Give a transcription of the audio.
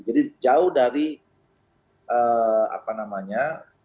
jadi jauh dari apa namanya